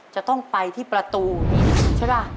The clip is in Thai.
จะต้องไปที่ประตูใช่ป่ะ